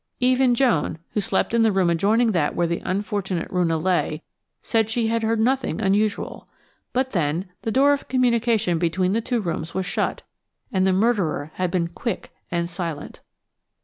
Even Joan, who slept in the room adjoining that where the unfortunate Roonah lay, said she had heard nothing unusual. But then, the door of communication between the two rooms was shut, and the murderer had been quick and silent.